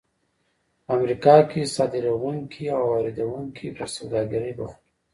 په امریکا کې صادروونکي او واردوونکي پر سوداګرۍ بوخت وو.